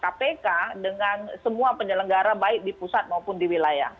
koordinasi yang ada antara kpk dengan semua penyelenggara baik di pusat maupun di wilayah